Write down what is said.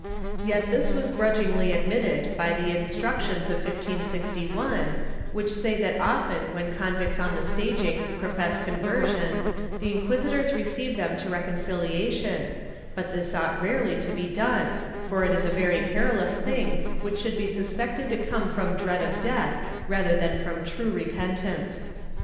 Yet this was grudgingly admitted by the Instructions of 1561, which say that often when convicts on the staging profess conversion the inquisitors receive them to reconciliation, but this ought rarely to be done, for it is a very perilous thing which should be suspected to come from dread of death rather than from true repentance.'